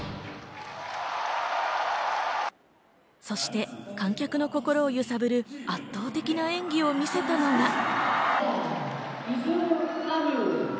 そして観客の心を揺さぶる圧倒的な演技を見せたのが。